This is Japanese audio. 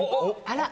あら！